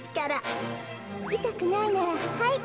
いたくないならはい。